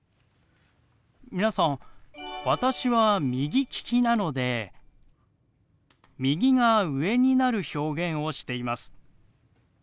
皆さん私は右利きなので右が上になる表現をしています。